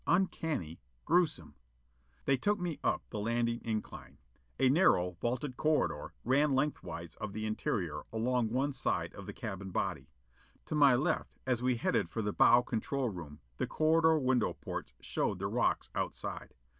Uncanny. Gruesome. They took me up the landing incline. A narrow vaulted corridor ran length wise of the interior, along one side of the cabin body. To my left as we headed for the bow control room, the corridor window portes showed the rocks outside.